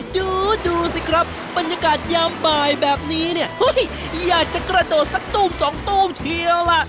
ดูสิครับบรรยากาศยามบ่ายแบบนี้เนี่ยอยากจะกระโดดสักตู้มสองตู้มทีเดียวล่ะ